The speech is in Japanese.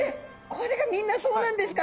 これがみんなそうなんですか？